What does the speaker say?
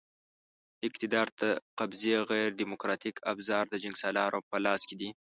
د اقتدار د قبضې غیر دیموکراتیک ابزار د جنګسالارانو په لاس کې دي.